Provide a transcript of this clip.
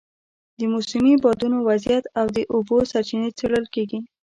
د موسمي بادونو وضعیت او د اوبو سرچینې څېړل کېږي.